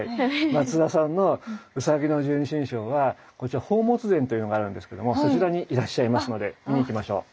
松田さんの卯の十二神将はこちら寶物殿というのがあるんですけどもそちらにいらっしゃいますので見に行きましょう。